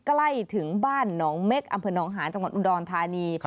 ใกล้ถึงบ้านหนองเม็กอำเภอหนองหาญจังหวัดอุดรธานี